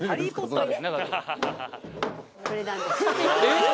えっ！？